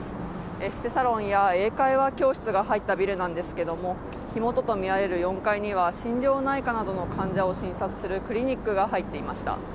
エステサロンや英会話教室が入ったビルなんですが、火元とみられる４階には心療内科などの患者を診察するクリニックが入っていました。